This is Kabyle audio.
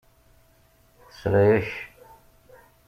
Tesla-ak.